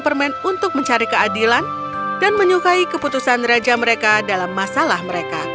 permen untuk mencari keadilan dan menyukai keputusan raja mereka dalam masalah mereka